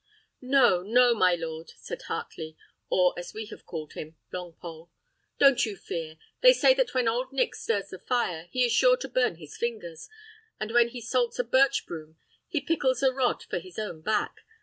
"No, no, my lord," said Heartley, or, as we have called him, Longpole, "don't you fear. They say that when Old Nick stirs the fire, he is sure to burn his fingers, and when he salts a birch broom, he pickles a rod for his own back.